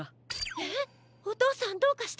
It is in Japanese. えっおとうさんどうかしたの？